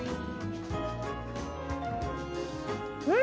うん！